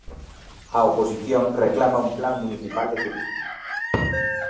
A oposición reclama un plan municipal de turismo.